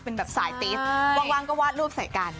เป็นแบบสายติสว่างก็วาดรูปใส่กัน